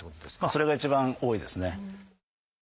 それが一番多いですね。